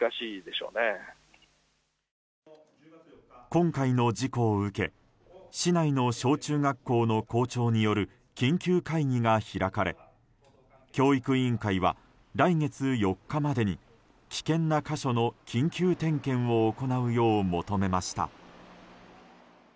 今回の事故を受け市内の小中学校の校長による緊急会議が開かれ教育委員会は来月４日までに危険な箇所の緊急点検を行うよう求めました。